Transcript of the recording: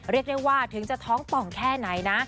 เรียกได้ว่าถึงจะท้องป่องแค่ไหนนะ